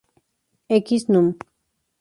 X, núm.